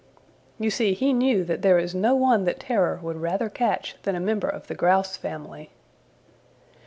You see he knew that there is no one that Terror would rather catch than a member of the Grouse family.